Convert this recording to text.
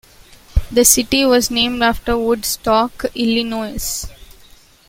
The city was named after Woodstock, Illinois.